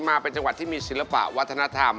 มาเป็นจังหวัดที่มีศิลปะวัฒนธรรม